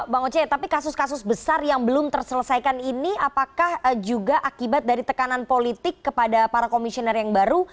bang oce tapi kasus kasus besar yang belum terselesaikan ini apakah juga akibat dari tekanan politik kepada para komisioner yang baru